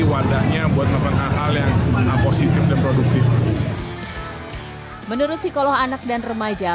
wadahnya buat teman teman yang positif dan produktif menurut psikolog anak dan remaja